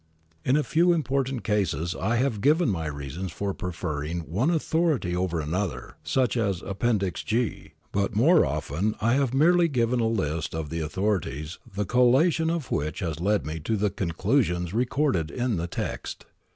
In a few important cases I have iven my reasons for preferring one authority to another Vll viil PREFACE (r.^. Appendix G), but more often I have merely given a list of the authorities the collation of which has led me to the conclusions recorded in the text.